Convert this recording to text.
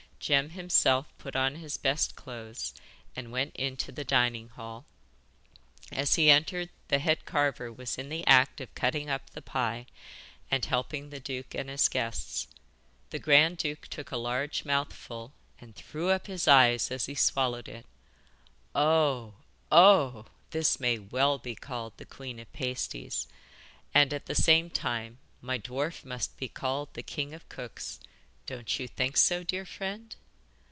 Jem himself put on his best clothes and went into the dining hall. As he entered the head carver was in the act of cutting up the pie and helping the duke and his guests. The grand duke took a large mouthful and threw up his eyes as he swallowed it. 'Oh! oh! this may well be called the Queen of Pasties, and at the same time my dwarf must be called the king of cooks. Don't you think so, dear friend?